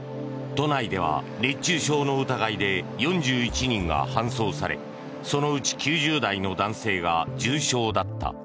都内では熱中症の疑いで４１人が搬送されそのうち９０代の男性が重症だった。